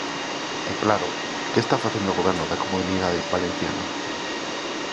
E, claro, ¿que está facendo o Goberno da Comunidade Valenciana?